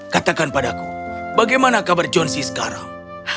katakan padaku bagaimana kabar johnsy sekarang